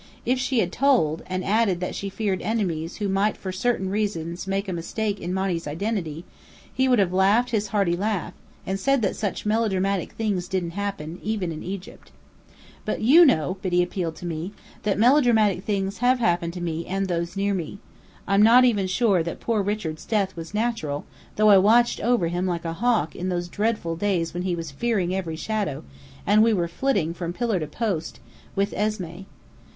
If she had told, and added that she feared enemies who might for certain reasons make a mistake in Monny's identity, he would have laughed his hearty laugh, and said that such melodramatic things didn't happen, even in Egypt. "But you know," Biddy appealed to me, "that melodramatic things have happened to me and those near me. I'm not even sure that poor Richard's death was natural, though I watched over him like a hawk in those dreadful days when he was fearing every shadow, and we were flitting from pillar to post, with Esmé.